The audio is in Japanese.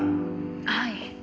はい。